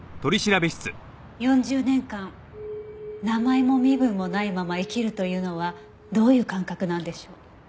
４０年間名前も身分もないまま生きるというのはどういう感覚なんでしょう？